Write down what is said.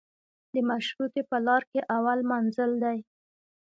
د مشروطې په لار کې اول منزل دی.